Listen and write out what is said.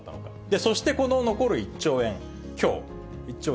そしてこの残る１兆円きょう、１兆円